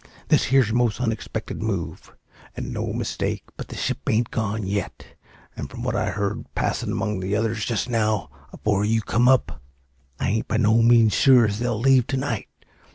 This here's a most unexpected move, and no mistake; but the ship ain't gone yet; and, from what I heard passin' among the others, just now, afore you come up, I ain't by no means sure as they'll leave to night.